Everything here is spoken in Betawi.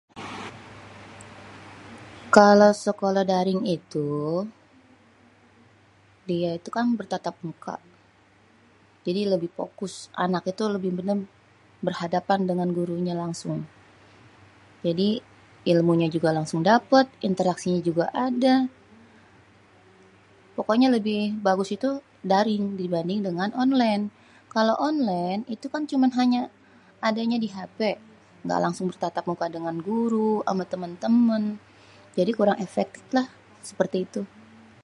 kalau sekolah daring itu, dia itu kan bertatap muka.. jadi lebih fokus.. anaknya berhadapan dengan gurunya langsung.. jadi ilmunya juga langsung dapèt.. interaksinya juga ada.. pokoknya lebih bagus itu daring dibanding dengan onlén.. kalo onlén itu kan cuman hanya adanya di hapé.. ngga langsung bertatap muka dengan guru ama temên-temên.. jadi kurang efektif lah seperti itu..